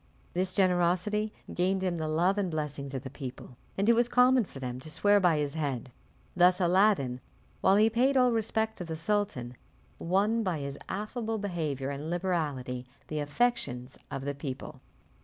This generosity gained him the love and blessings of the people, and it was common for them to swear by his head. Thus Aladdin, while he paid all respect to the sultan, won by his affable behaviour and liberality the affections of the people.